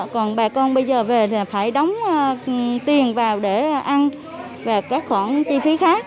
còn bà con bây giờ về thì phải đóng tiền vào để ăn và các khoản chi phí khác